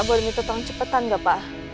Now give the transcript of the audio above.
apa boleh minta tolong cepetan nggak pak